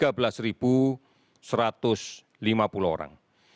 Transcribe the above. kebanyakan dari delapan lima ratus orang